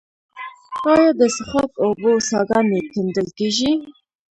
آیا د څښاک اوبو څاګانې کیندل کیږي؟